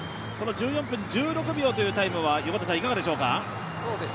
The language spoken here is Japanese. １４分１６秒というタイムはいかがでしょうか？